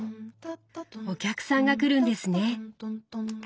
お客さんが来るんですね。